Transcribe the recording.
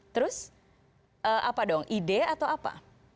terus apa dong ide atau apa